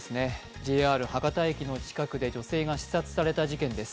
ＪＲ博多駅の近くで女性が刺殺された事件です。